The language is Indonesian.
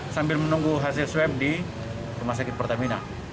sambil menunggu hasil swab di rumah sakit pertamina